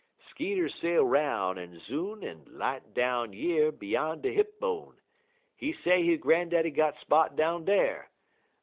_ "Skeeter sail 'roun' en zoon en light down yer beyan de hip bone. He say he grandaddy got spot down dar.